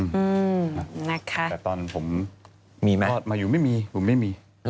แต่ตอนผมเตอร์ตมายูไม่มีผมไม่มีมีมั้ย